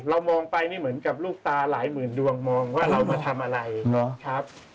เรามองไปนี่เหมือนกับลูกตาหลายหมื่นดวงมองว่าเรามาทำอะไรครับ